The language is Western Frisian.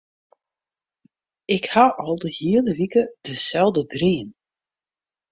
Ik hie al de hiele wike deselde dream.